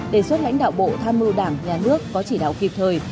đề xuất lãnh đạo bộ tham mưu đảng nhà nước có chỉ đạo kịp thời